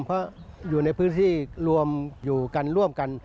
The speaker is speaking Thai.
เพราะอยู่ในพื้นที่รวมอยู่กันร่วมกัน